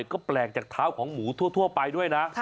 ก็แปลกจากเท้าของหมูทั่วไปด้วยนะ